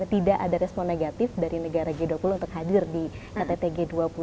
tidak ada respon negatif dari negara g dua puluh untuk hadir di ktt g dua puluh